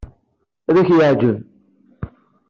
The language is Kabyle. Ad ak-yeɛjeb.